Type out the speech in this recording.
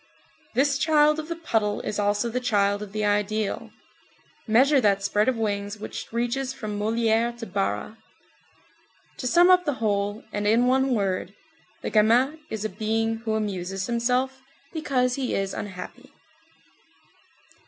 This child of the puddle is also the child of the ideal. Measure that spread of wings which reaches from Molière to Barra. To sum up the whole, and in one word, the gamin is a being who amuses himself, because he is unhappy.